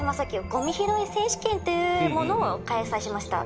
ゴミ拾い選手権というものを開催しました。